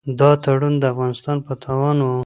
دا تړون د افغانستان په تاوان و.